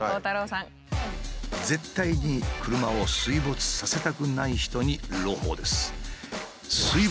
絶対に車を水没させたくない人に朗報です。